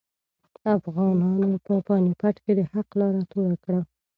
افغانانو په پاني پت کې د حق لاره توره کړه.